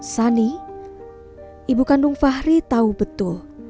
sani ibu kandung fahri tahu betul